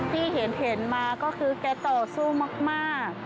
ที่เห็นมาก็คือแกต่อสู้มาก